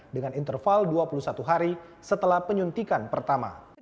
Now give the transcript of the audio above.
dengan interval dua puluh satu hari setelah penyuntikan pertama